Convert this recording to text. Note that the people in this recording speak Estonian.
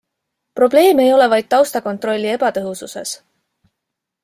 Probleem ei ole vaid taustakontrolli ebatõhususes.